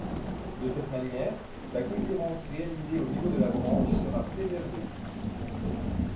De cette manière, la concurrence réalisée au niveau de la branche sera préservée.